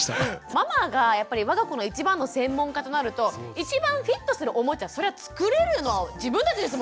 ママがやっぱりわが子の一番の専門家となると一番フィットするおもちゃそれは作れるの自分たちですもんね。